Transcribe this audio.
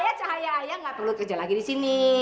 ayah cahaya ayah gak perlu kerja lagi disini